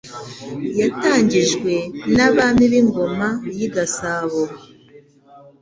yatangijwe n'abami b'ingoma y'i Gasabo,